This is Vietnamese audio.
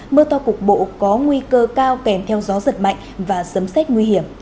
mưa to cục bộ có nguy cơ cao kèm theo gió giật mạnh và sấm xét nguy hiểm